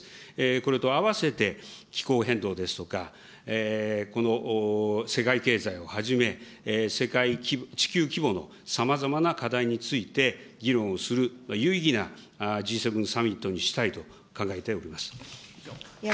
これとあわせて、気候変動ですとか世界経済をはじめ、地球規模のさまざまな課題について、議論をする有意義なＧ７サミットにしたいと考えております。